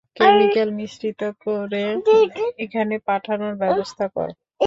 Chemical মিশ্রিত করে এখানে পাঠানোর ব্যবস্থা কর।